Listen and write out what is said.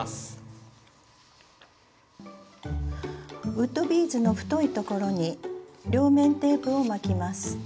ウッドビーズの太い所に両面テープを巻きます。